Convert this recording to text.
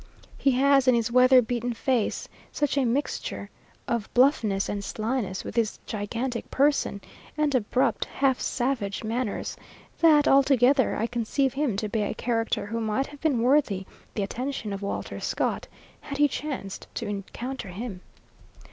He has in his weather beaten face such a mixture of bluffness and slyness, with his gigantic person, and abrupt, half savage manners, that, altogether, I conceive him to be a character who might have been worthy the attention of Walter Scott, had he chanced to encounter him.